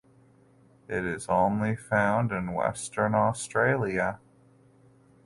It is only found in Western Australia.